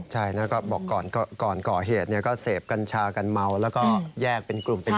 ใช่นะก็บอกก่อนก่อเหตุก็เสพกัญชากันเมาแล้วก็แยกเป็นกลุ่มเป็น